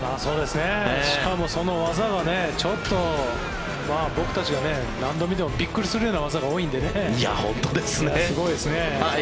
しかも、その技がちょっと僕たちが何度見てもびっくりするような技が多いのですごいですね。